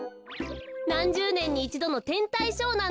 なんじゅうねんにいちどのてんたいショーなんですよ。